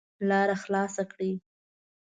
لار خلاصه کړئ